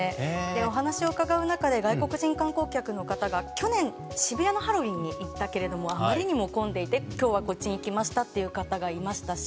お話を伺う中で外国人観光客の方が去年、渋谷のハロウィーンに行ったけれどもあまりにも混んでいて今日はこっちに来ましたという方もいましたし